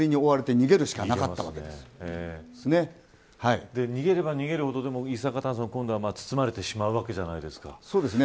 逃げれば逃げるほど一酸化炭素に包まれてしまうわけじゃないですか。